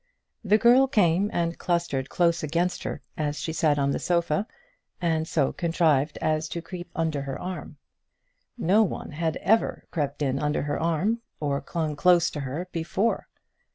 The girl came and clustered close against her as she sat on the sofa, and so contrived as to creep in under her arm. No one had ever crept in under her arm, or clung close to her before.